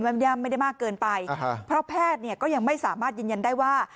ไม่ได้มากเกินไปเพราะแพทย์เนี่ยก็ยังไม่สามารถยืนยันได้ว่า